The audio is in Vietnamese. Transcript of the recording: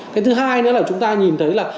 cái thứ hai nữa là chúng ta nhìn thấy là